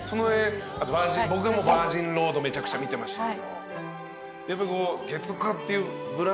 僕はもう『バージンロード』めちゃくちゃ見てました。